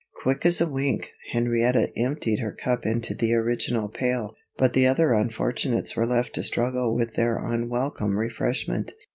Quick as a wink, Henrietta emptied her cup into the original pail, but the other unfortunates were left to struggle with their unwelcome refreshment.